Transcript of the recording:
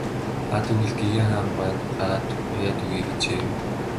Аа тэгвэл гэгээн хаан гуай нь гараад уяад өгье гэжээ.